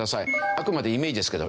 あくまでイメージですけど。